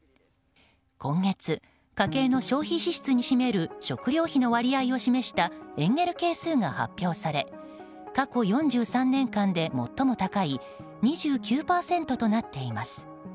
今月、家計の消費支出に占める食料費の割合を示したエンゲル係数が発表され過去４３年間で最も高い２９％となっています。